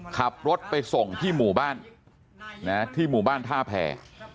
ขับรถไปส่งที่หมู่บ้านที่หมู่บ้านท่าแผ่